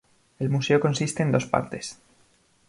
El museo consiste en dos partes.